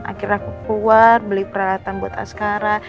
akhir akhir aku keluar beli peralatan buat askara